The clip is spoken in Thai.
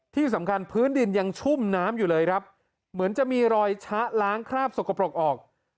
ที่สำคัญพื้นดินยังชุ่มน้ำอยู่เลยครับเหมือนจะมีรอยชะล้างคราบสกปรกออก